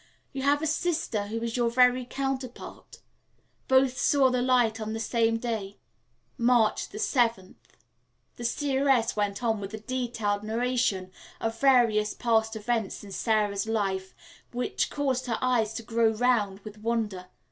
"You have a sister who is your very counterpart. Both saw the light on the same day, March the seventh." The seeress went on with a detailed narration of various past events in Sara's life which caused her eyes to grow round with wonder.